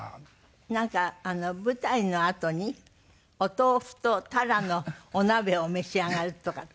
なんか舞台のあとにお豆腐と鱈のお鍋を召し上がるとかって。